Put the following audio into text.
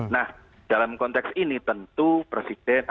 nah dalam konteks ini tentu presiden